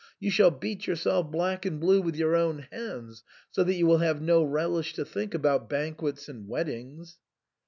You shall beat yourself black and blue with your own hands, so that you will have no relish to think about banquets and weddings